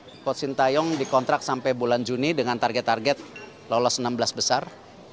saya support sintayung di kontrak sampai bulan juni dengan target target lolos enam belas besar